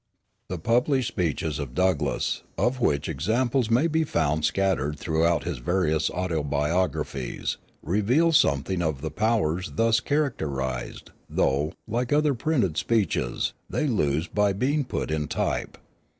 The published speeches of Douglass, of which examples may be found scattered throughout his various autobiographies, reveal something of the powers thus characterized, though, like other printed speeches, they lose by being put in type.